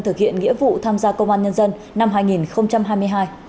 thực hiện nghĩa vụ tham gia công an nhân dân năm hai nghìn hai mươi hai